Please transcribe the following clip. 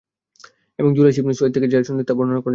এবং Julas Ibn Suwaid থেকে যা শুনেছেন তা বর্ণনা করলেন।